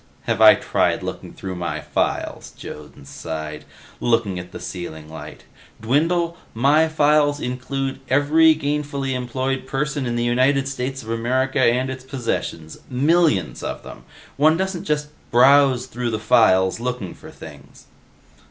"Have I tried looking through my files," Jones sighed, looking at the ceiling light. "Dwindle, my files include every gainfully employed person in the United States of America and its possessions. Millions of them. One doesn't just browse through the files looking for things."